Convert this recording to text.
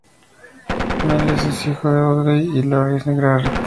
Myles es hijo de Audrey y Lawrence Garrett.